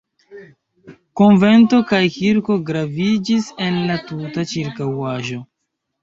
Konvento kaj kirko graviĝis en la tuta ĉirkaŭaĵo.